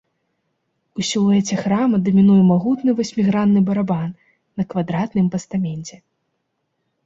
У сілуэце храма дамінуе магутны васьмігранны барабан на квадратным пастаменце.